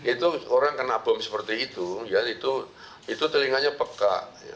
itu orang kena bom seperti itu ya itu telinganya peka